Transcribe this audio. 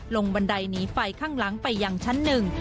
บันไดหนีไฟข้างหลังไปยังชั้นหนึ่ง